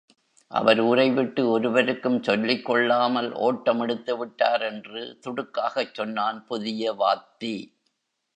அவர் ஊரைவிட்டு ஒருவருக்கும் சொல்லிக் கொள்ளாமல் ஓட்டம் எடுத்துவிட்டார் என்று துடுக்காகச் சொன்னான் புதிய வாத்தி.